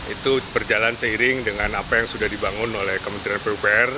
itu berjalan seiring dengan apa yang sudah dibangun oleh kementerian pupr